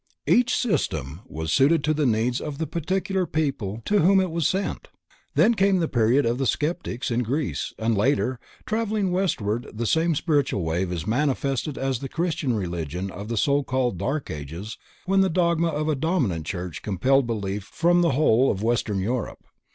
Each system was suited to the needs of the particular people to whom it was sent. Then came the period of the Sceptics, in Greece, and later, traveling westward the same spiritual wave is manifested as the Christian religion of the so called "Dark Ages" when the dogma of a dominant church compelled belief from the whole of Western Europe.